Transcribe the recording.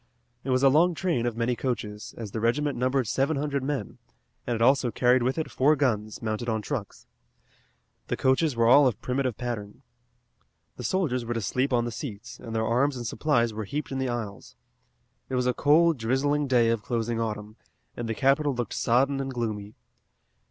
It was a long train of many coaches, as the regiment numbered seven hundred men, and it also carried with it four guns, mounted on trucks. The coaches were all of primitive pattern. The soldiers were to sleep on the seats, and their arms and supplies were heaped in the aisles. It was a cold, drizzling day of closing autumn, and the capital looked sodden and gloomy.